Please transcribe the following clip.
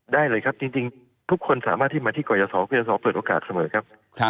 ได้เลยครับจริงทุกคนสามารถที่มาที่กรยศกรยศเปิดโอกาสเสมอครับ